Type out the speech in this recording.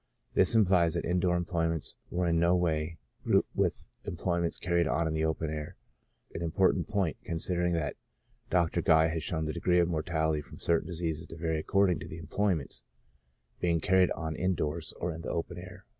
This implies that in door employments were in no way grouped with employments carried on in the open air 5 an important point, considering that Dr. Guy has shown the degree of mortality from certain diseases to vary accord ing to employments being carried on in doors or in the open air.